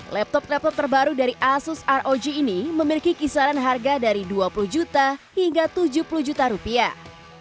laptop laptop terbaru dari asus rog ini memiliki kisaran harga dari dua puluh juta hingga tujuh puluh juta rupiah